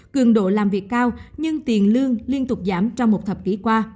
cường độ làm việc cao nhưng tiền lương liên tục giảm trong một thập kỷ qua